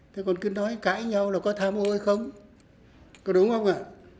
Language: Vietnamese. thế còn cứ nói cãi nhau là có tham ô hay không có đúng không ạ